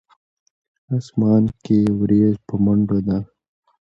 اسمان کښې وريځ پۀ منډو ده